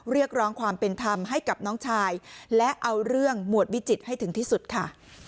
เรียกร้องความเป็นธรรมให้กับน้องชายและเอาเรื่องหมวดวิจิตรให้ถึงที่สุดค่ะ